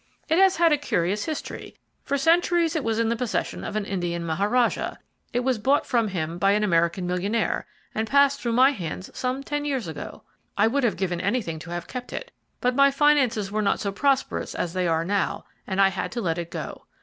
It has had a curious history. For centuries it was in the possession of an Indian Maharajah it was bought from him by an American millionaire, and passed through my hands some ten years ago. I would have given anything to have kept it, but my finances were not so prosperous as they are now, and I had to let it go.